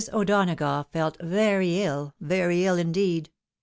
O'Donagough felt very ill, very iU indeed.